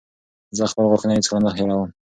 زه خپل غاښونه هېڅکله نه هېروم.